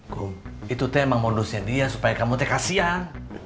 kum itu emang modusnya dia supaya kamu kasian